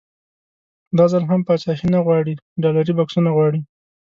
دا ځل هم پاچاهي نه غواړي ډالري بکسونه غواړي.